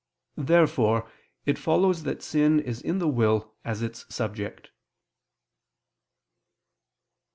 Therefore it follows that sin is in the will as its subject.